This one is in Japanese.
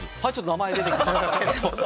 名前出てきましたが。